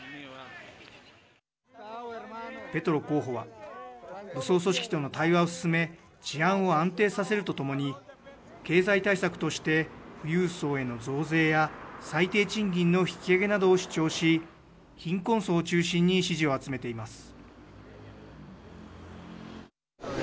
ペトロ候補は武装組織との対話を進め治安を安定させるとともに経済対策として富裕層への増税や最低賃金の引き上げなどを主張し貧困層を中心に支持を集めています。